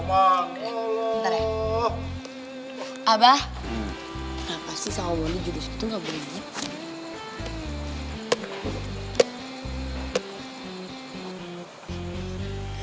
abah kenapa sih sawah boli judul gitu gak boleh dikit